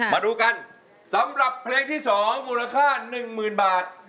มาดูกันสำหรับเพลงที่๒มูลค่า๑๐๐๐บาท